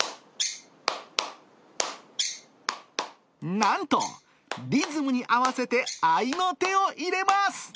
なんと、リズムに合わせて合いの手を入れます。